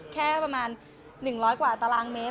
แค่ประมาณหนึ่งร้อยกว่าตารางเมตร